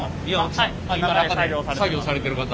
今中で作業されてる方。